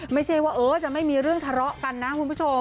ไม่ใช่ว่าจะไม่มีเรื่องทะเลาะกันนะคุณผู้ชม